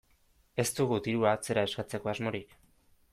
Ez dugu dirua atzera eskatzeko asmorik.